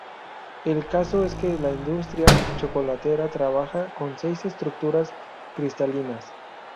El caso es que la industria chocolatera trabaja con seis estructuras cristalinas.